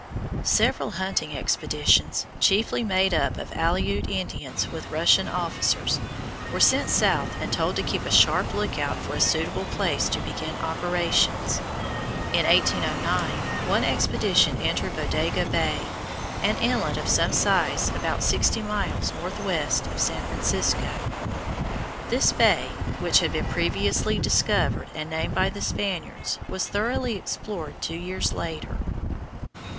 Several hunting expeditions, chiefly made up of Aleut Indians with Russian officers, were sent south and told to keep a sharp lookout for a suitable place to begin operations. In 1809 one expedition entered Bodega Bay, an inlet of some size about sixty miles northwest of San Francisco. This bay, which had been previously discovered and named by the Spaniards, was thoroughly explored two years later.